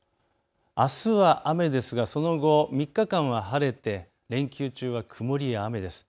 あすは雨ですがその後３日間は晴れて連休中は曇りや雨です。